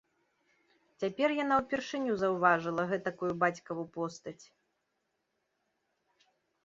Цяпер яна ўпершыню заўважыла гэтакую бацькаву постаць.